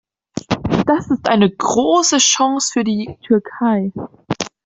Das ist eine große Chance für die Türkei.